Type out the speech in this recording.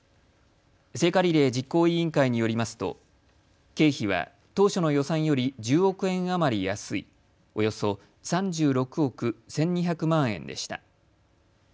聖火リレー実行委員会によりますと経費は当初の予算より１０億円余り安いおよそ３６億１２００万円でした。